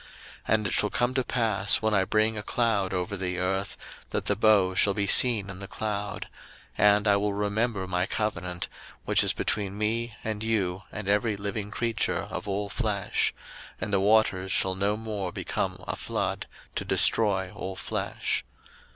01:009:014 And it shall come to pass, when I bring a cloud over the earth, that the bow shall be seen in the cloud: 01:009:015 And I will remember my covenant, which is between me and you and every living creature of all flesh; and the waters shall no more become a flood to destroy all flesh.